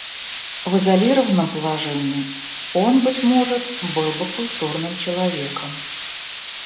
В изолированном положении он, быть может, был бы культурным человеком.